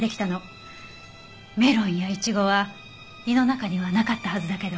メロンやイチゴは胃の中にはなかったはずだけど。